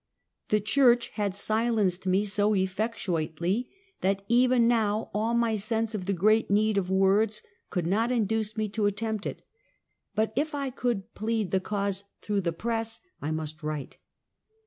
The church had silenced me so effectuately, that even now all my sense of the great need of words could not induce me to attempt it; but if I could " plead the cause " through the press, I must write.